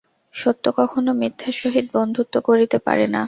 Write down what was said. সত্য কখনও মিথ্যার সহিত বন্ধুত্ব করিতে পারে না।